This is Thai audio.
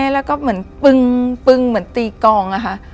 แล้วก็เหมือนปึงเหมือนตีกองอะค่ะ